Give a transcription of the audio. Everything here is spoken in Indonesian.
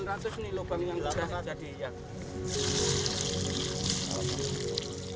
hari itu juga penanaman selesai dilakukan